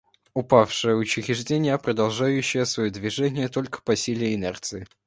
Упавшее учреждение, продолжающее свое движение только по силе инерции.